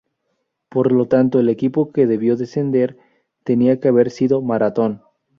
Por lo tanto el equipo que debió descender tenía que haber sido Marathón.